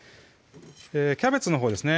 キャベツのほうですね